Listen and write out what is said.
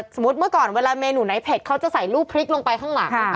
เมื่อก่อนเวลาเมนูไหนเผ็ดเขาจะใส่ลูกพริกลงไปข้างหลัง